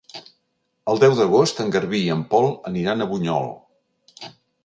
El deu d'agost en Garbí i en Pol aniran a Bunyol.